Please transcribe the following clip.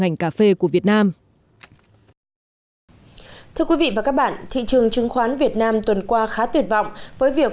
thưa quý vị và các bạn thị trường chứng khoán việt nam tuần qua khá tuyệt vọng với việc